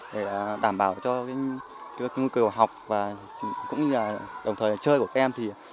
để đảm bảo cho những cơ hội học và đồng thời chơi của em